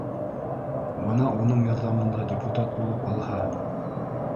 Бына уның ярҙамында депутат булып алһа